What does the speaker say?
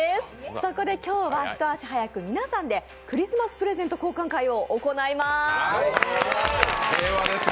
そこで今日は一足早く皆さんでクリスマスプレゼント交換会を行います。